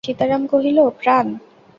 সীতারাম কহিল, প্রাণ।